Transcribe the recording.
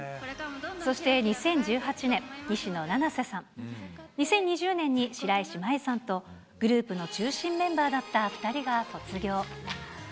そして、２０１８年、西野七瀬さん、２０２０年に白石麻衣さんと、グループの中心メンバーだった２人が卒業。